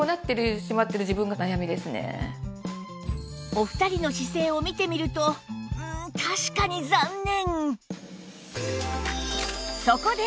お二人の姿勢を見てみるとうん確かに残念